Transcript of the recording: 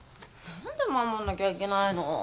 何で守んなきゃいけないの？